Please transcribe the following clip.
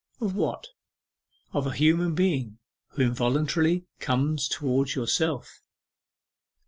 'Of what?' 'Of a human being who involuntarily comes towards yourself.